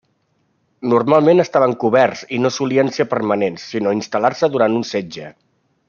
Normalment estaven coberts i no solien ser permanents, sinó instal·lar-se durant un setge.